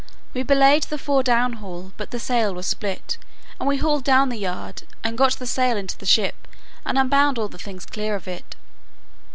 We belayed the fore down haul; but the sail was split, and we hauled down the yard, and got the sail into the ship, and unbound all the things clear of it.